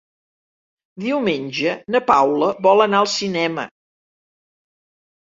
Diumenge na Paula vol anar al cinema.